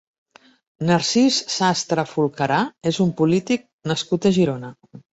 Narcís Sastre Fulcarà és un polític nascut a Girona.